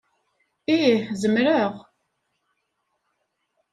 Ih, zemreɣ.